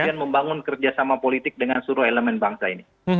kemudian membangun kerjasama politik dengan seluruh elemen bangsa ini